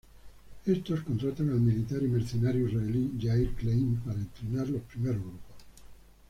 Estos contratan al militar y mercenario israelí Yair Klein para entrenar los primeros grupos.